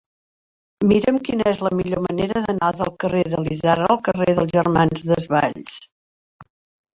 Mira'm quina és la millor manera d'anar del carrer de l'Isard al carrer dels Germans Desvalls.